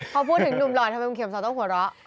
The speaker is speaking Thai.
พอพูดถึงหนุ่มหล่อทำไมคุณเข็มสองต้องหัวเราะ